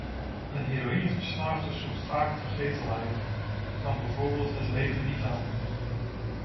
Een heroïneverslaafde zoekt vaak vergetelheid, kan bijvoorbeeld het leven niet aan.